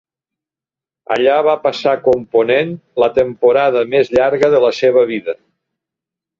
Allà va passar component la temporada més llarga de la seva vida.